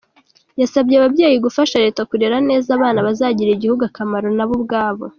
Yasabye ababyeyi gufasha Leta kurera neza abana bazagirira igihugu akamaro nabo ubwabo.